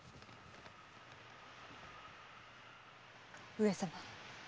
上様。